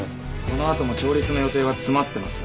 このあとも調律の予定は詰まってます。